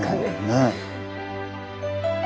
ねえ。